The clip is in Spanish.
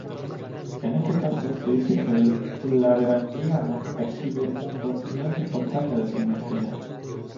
En este caso, se dice que el lagrangiano exhibe un rompimiento espontáneo de simetría.